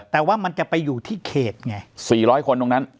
แต่ว่ามันจะไปอยู่ที่เขตไง๔๐๐คนตรงนั้น